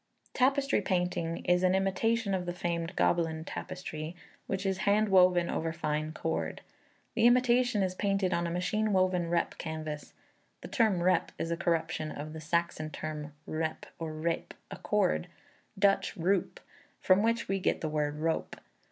Tapestry painting is an imitation of the famed Gobelin tapestry, which is hand woven over fine cord. The imitation is painted on a machine woven rep canvas: the term rep is a corruption of the Saxon term wrepp, or rape, a cord, Dutch roop, from which we get the word rope.